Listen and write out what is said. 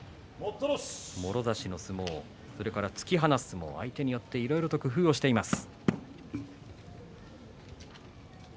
もろ差しの相撲突き放す相撲、相手によっていろいろと工夫をしています。